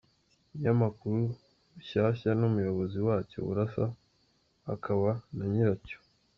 Ikinyamakuru Rushyashya n’Umuyobozi wacyo Burasa, akaba na nyiracyo